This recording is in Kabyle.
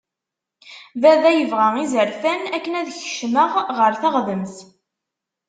Baba yebɣa izerfan akken ad kecmeɣ ɣer teɣdemt.